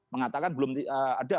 mengatakan belum ada